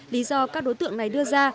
lý do các đối tượng này đưa ra